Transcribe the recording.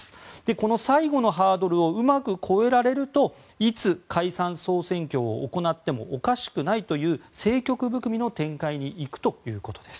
この最後のハードルをうまく越えられるといつ解散・総選挙を行ってもおかしくないという政局含みの展開に行くということです。